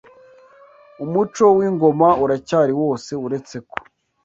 umuco w’ingoma uracyari wose uretse ko